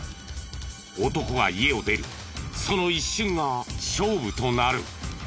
男が家を出るその一瞬が勝負となる。